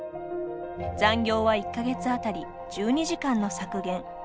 残業は１か月当たり１２時間の削減。